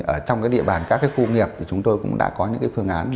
ở trong cái địa bàn các cái khu nghiệp thì chúng tôi cũng đã có những cái phương án